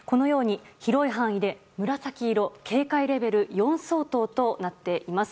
広い範囲で紫色警戒レベル４相当となっています。